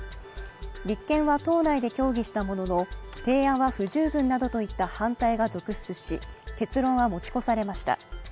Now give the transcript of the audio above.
立憲は党内で協議したものの提案は不十分などといった反対が続出し結論は持ち越されました。